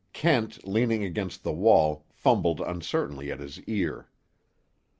Kent, leaning against the wall, fumbled uncertainly at his ear.